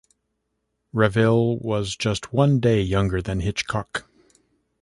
Reville was just one day younger than Hitchcock.